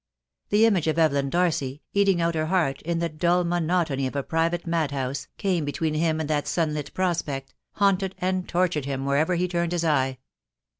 The image of Evelyn Darcy, eating out her heart in the dull monotony of a private mad house, came between him and that sunlit prospect, haunted and tortured him wherever he turned his eye.